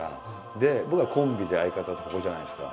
で僕はコンビで相方とここじゃないですか。